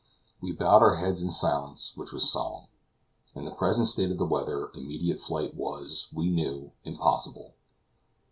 We bowed our heads in a silence which was solemn. In the present state of the weather, immediate flight was, we knew, impossible.